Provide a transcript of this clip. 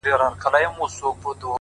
صادق چلند د اعتماد اړیکې ژوروي,